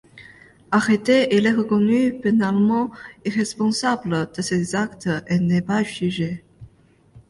Arrêté, il est reconnu pénalement irresponsable de ses actes et n'est pas jugé.